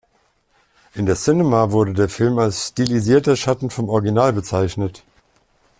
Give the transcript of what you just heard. In der "Cinema" wurde der Film als „stilisierter Schatten“ vom Original bezeichnet.